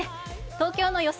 東京の予想